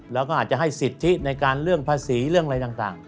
แล้วก็อาจจะให้สิทธิในการเรื่องภาษีเรื่องอะไรต่าง